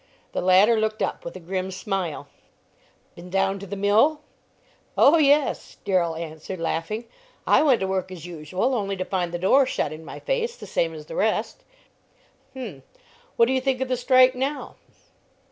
The latter looked up with a grim smile: "Been down to the mill?" "Oh, yes," Darrell answered, laughing; "I went to work as usual, only to find the door shut in my face, the same as the rest." "H'm! What do you think of the 'strike' now?"